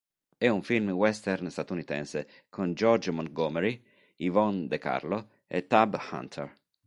È un film western statunitense con George Montgomery, Yvonne De Carlo e Tab Hunter.